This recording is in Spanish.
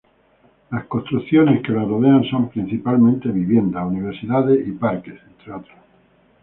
Las construcciones que la rodean son principalmente vivienda, universidades y parques, entre otros.